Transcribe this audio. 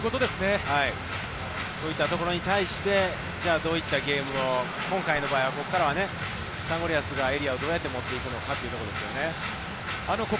そういったところに対して、どういったゲームを今回の場合はここからはサンゴリアスがエリアをどうやって持っていくかっていうところですよね。